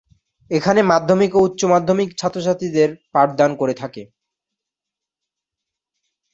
এখানে মাধ্যমিক ও উচ্চমাধ্যমিক ছাত্রছাত্রীদের পাঠদান করে থাকে।